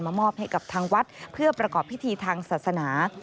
มอบให้กับทางวัดเพื่อประกอบพิธีทางศาสนา